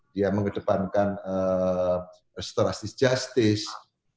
dia mengedepankan restorasi justice